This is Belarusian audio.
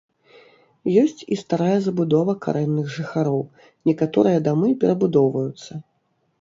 Ёсць і старая забудова карэнных жыхароў, некаторыя дамы перабудоўваюцца.